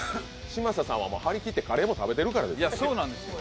嶋佐さんは張り切ってカレーも食べてるからですよ。